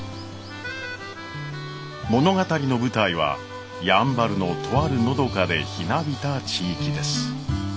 物語の舞台はやんばるのとあるのどかでひなびた地域です。